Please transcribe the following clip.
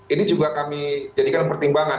ini juga kami jadikan pertimbangan